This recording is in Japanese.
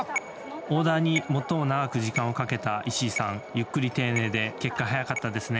オーダーに最も長く時間をかけた石井さん、ゆっくり丁寧で結果早かったですね。